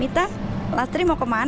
mita lastri mau ke mana